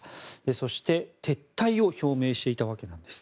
そして、撤退を表明していたわけなんです。